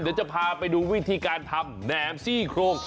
เดี๋ยวจะพาไปดูวิธีการทำแหนมซี่โครง